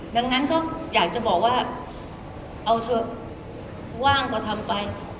ดังนั้นก็อยากจะบอกว่าเอาเถอะว่างก็ทำไป